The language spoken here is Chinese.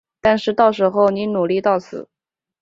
但是到时候你努力到死